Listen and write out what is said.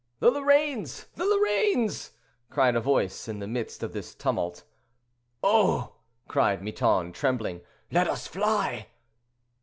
"The Lorraines! the Lorraines!" cried a voice in the midst of this tumult. "Oh!" cried Miton, trembling, "let us fly."